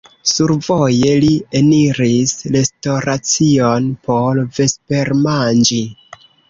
Survoje li eniris restoracion por vespermanĝi.